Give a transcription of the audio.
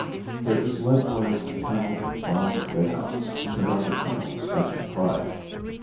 There is likewise a kennel of fine greyhounds that are the Colonel's special pride.